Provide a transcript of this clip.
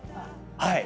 はい！